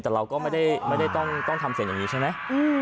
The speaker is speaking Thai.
แต่เราก็ไม่ได้ต้องทำเสียงอย่างนี้ใช่ไหม